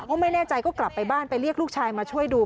เพราะไม่แน่ใจก็กลับไปบ้านไปเรียกลูกชายมาช่วยดู